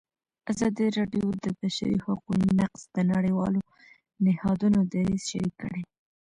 ازادي راډیو د د بشري حقونو نقض د نړیوالو نهادونو دریځ شریک کړی.